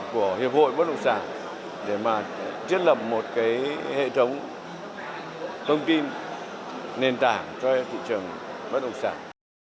của hiệp hội bất động sản để mà thiết lập một cái hệ thống thông tin nền tảng cho thị trường bất động sản